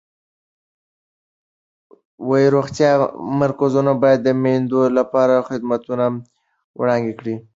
روغتیایي مرکزونه باید د میندو لپاره خدمتونه وړاندې کړي.